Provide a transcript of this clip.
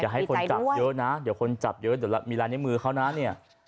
กิจัยกริงค่ะแดดให้คนจับเยอะน่ะเดี๋ยวคนจับเยอะเดี๋ยวมีร้านเย็มมือเขาน่ะเนี่ย